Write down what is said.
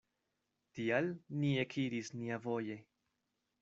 Tial ni ekiris niavoje.